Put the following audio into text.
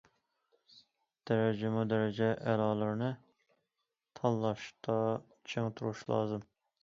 دەرىجىمۇ دەرىجە ئەلالىرىنى تاللاشتا چىڭ تۇرۇش لازىم.